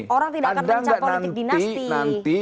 orang tidak akan mencah politik dinasti